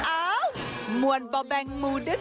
อ้าวมวลบาแบงก์มูดเถอะ